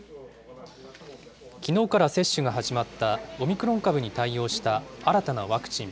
きのうから接種が始まったオミクロン株に対応した新たなワクチン。